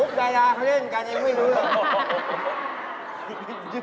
อุ๊บใดเขาเล่นกันเอ็งไม่ลืม